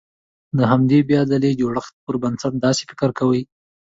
د همدې بيا ځلې جوړښت پر بنسټ داسې فکر کوي.